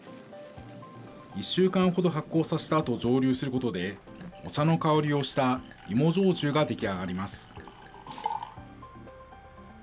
１週間ほど発酵させたあと蒸留することで、お茶の香りをした芋焼酎が出来上がります。